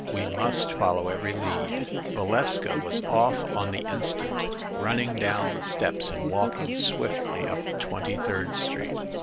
We must follow every lead." Valeska was off on the instant, running down the steps and walking swiftly up Twenty third Street.